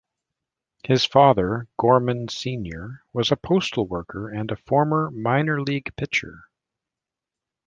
His father, Gorman Senior, was a postal worker and a former minor league pitcher.